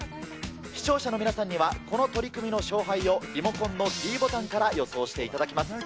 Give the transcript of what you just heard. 視聴者の皆さんには、この取組の勝敗をリモコンのｄボタンから予想していただきます。